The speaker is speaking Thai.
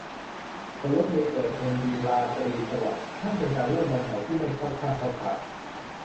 บนรถเมล์ เปิดเอ็มวี 'ราตรีสวัสดิ์' ช่างเป็นการเริ่มวันใหม่ที่ ไม่เข้าท่าเข้าทาง